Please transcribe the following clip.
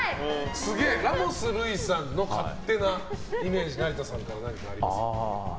ラモス瑠偉さんの勝手なイメージ成田さんから何かありますか？